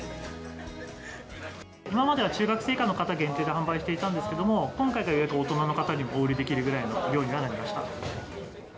今までは中学生以下の方、限定で販売していたんですけれども、今回からようやく大人の方にもお売りできるぐらいの量にはなりました。